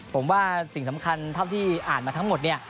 ผมว่าสิ่งสำคัญตามที่อ่านมาทั้งหมด